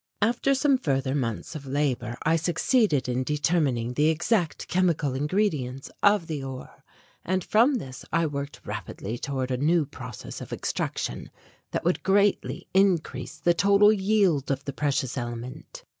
After some further months of labour I succeeded in determining the exact chemical ingredients of the ore, and from this I worked rapidly toward a new process of extraction that would greatly increase the total yield of the precious element.